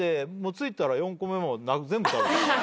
着いたら４個目まで全部食べちゃった。